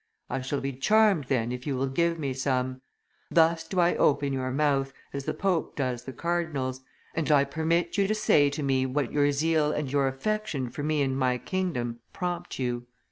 I shall be charmed, then, if you will give me some; thus do I open your mouth, as the pope does the cardinals, and I permit you to say to me what your zeal and your affection for me and my kingdom prompt you."